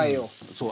そう。